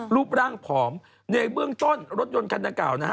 รูปร่างผอมในเบื้องต้นรถยนต์คันดังกล่าวนะฮะ